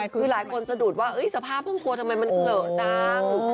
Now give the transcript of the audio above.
คือหลายคนสะดุดว่าสภาพห้องครัวทำไมมันเหลอจัง